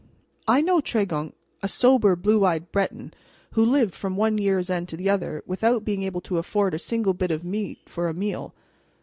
'" I knew Tregunc, a sober, blue eyed Breton, who lived from one year's end to the other without being able to afford a single bit of meat for a meal.